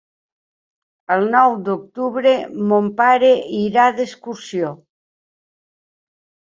El nou d'octubre mon pare irà d'excursió.